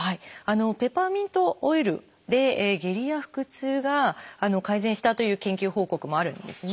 ペパーミントオイルで下痢や腹痛が改善したという研究報告もあるんですね。